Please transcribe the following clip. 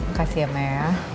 makasih ya mel